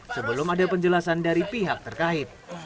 sebelum ada penjelasan dari pihak terkait